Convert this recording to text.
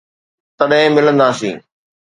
تڏھن ملنداسين.